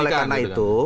nah oleh karena itu